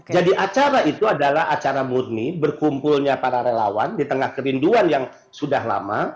jadi acara itu adalah acara murni berkumpulnya para relawan di tengah kerinduan yang sudah lama